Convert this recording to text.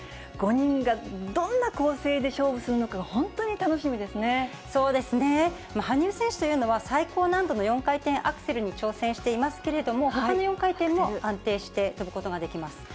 ５人がどんな構成で勝負するそうですね、羽生選手というのは、最高難度の４回転アクセルに挑戦していますけれども、ほかの４回転も安定して跳ぶことができます。